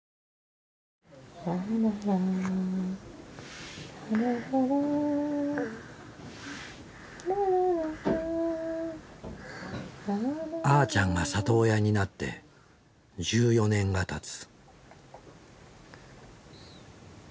ラララララララあーちゃんが里親になって１４年がたつ。